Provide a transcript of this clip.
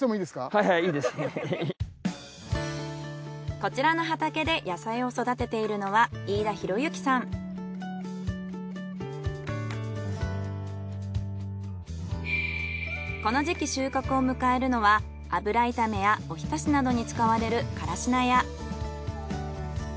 こちらの畑で野菜を育てているのはこの時期収穫を迎えるのは油炒めやおひたしなどに使われるからし菜や。